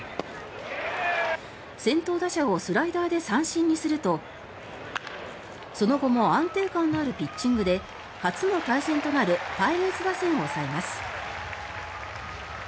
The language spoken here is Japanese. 先頭打者をスライダーで三振にするとその後も安定感のあるピッチングで初の対戦となるパイレーツ打線を抑えます。